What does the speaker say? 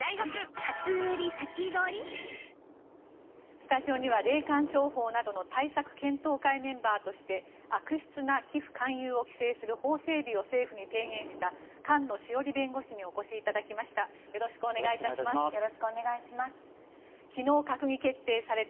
スタジオには霊感商法などの対策検討会メンバーとして悪質な寄付・勧誘を規制する法整備を政府に提言した菅野志桜里弁護士にお越しいただきました。